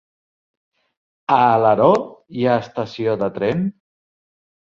A Alaró hi ha estació de tren?